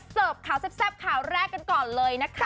ข่าวแซ่บข่าวแรกกันก่อนเลยนะคะ